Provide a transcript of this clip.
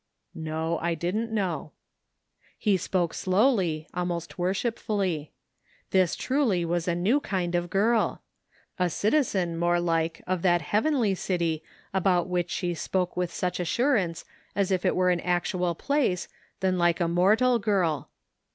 " No, I didn't know," he spoke slowly, almost wor shipfully. This truly was a new kind of girl. A citizen, more like, of that heavenly city about which she spoke with such assurance as if it were an actual place, than like a mortal girl.